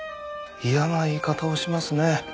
嫌な言い方をしますね。